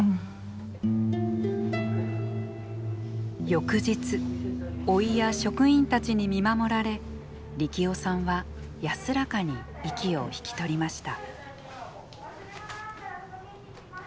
翌日甥や職員たちに見守られ力夫さんは安らかに息を引き取りました。